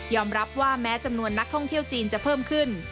รับว่าแม้จำนวนนักท่องเที่ยวจีนจะเพิ่มขึ้น